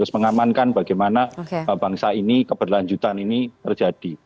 mengamankan bagaimana bangsa ini keberlanjutan ini terjadi